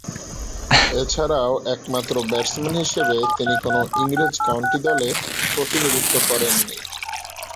এছাড়াও, একমাত্র ব্যাটসম্যান হিসেবে তিনি কোন ইংরেজ কাউন্টি দলে প্রতিনিধিত্ব করেননি।